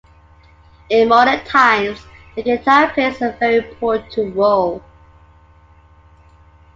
In modern times, the guitar plays a very important role.